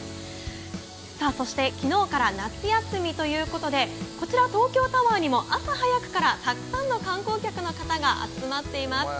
さあそして昨日から夏休みということでこちら東京タワーにも朝早くからたくさんの観光客の方が集まっています。